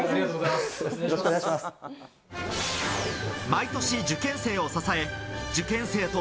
毎年受験生を支え、受験生と